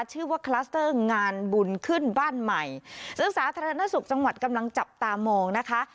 คลัสเตอร์งานบุญขึ้นบ้านใหม่ซึ่งสาธารณสุขจังหวัดกำลังจับตามองนะคะ